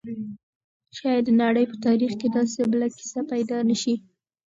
شاید د نړۍ په تاریخ کې داسې بله کیسه پیدا نه شي.